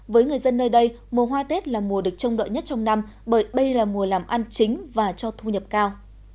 với người dân nơi đây mùa hoa tết là mùa được trông đợi nhất trong năm bởi đây là mùa làm ăn chính và cho thu nhập cao